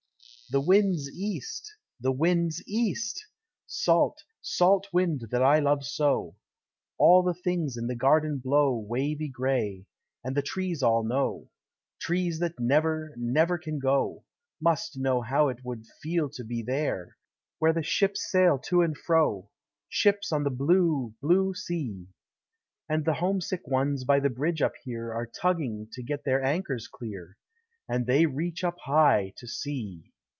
The Wind's east, The Wind's east! Salt, salt Wind that I love so. All the things in the garden blow Wavy gray; and the Trees all know, Trees that never, never can go, Must know how it would feel to be There, where the Ships sail to and fro, Ships on the blue, blue Sea! And the homesick ones by the bridge up here Are tugging to get their anchors clear, And they reach up high, to see.